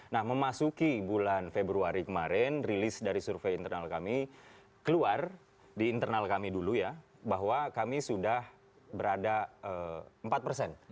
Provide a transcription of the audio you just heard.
nah memasuki bulan februari kemarin rilis dari survei internal kami keluar di internal kami dulu ya bahwa kami sudah berada empat persen